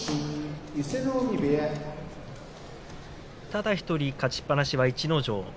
ただ１人勝ちっぱなしは逸ノ城。